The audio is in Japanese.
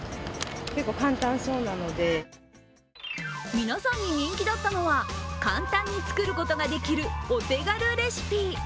皆さんに人気だったのは、簡単に作ることができるお手軽レシピ。